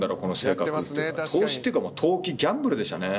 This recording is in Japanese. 投資っていうかギャンブルでしたね。